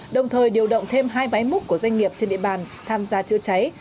đồng thời điều động thêm hai máy múc của doanh nghiệp trên địa bàn tham gia chữa cháy